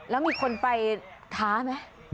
แล้วมีคนไปท้าไหม